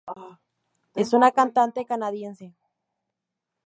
Es una cantante canadiense.